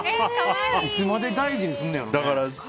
いつまで大事にすんねやろうね。